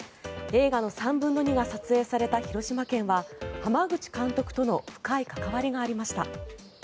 映画の３分の２が撮影された広島県は濱口監督との深い関わりがありました。